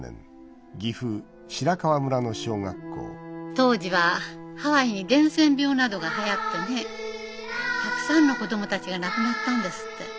当時はハワイに伝染病などがはやってねたくさんの子供たちが亡くなったんですって。